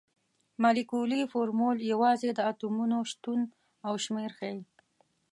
مالیکولي فورمول یوازې د اتومونو شتون او شمیر ښيي.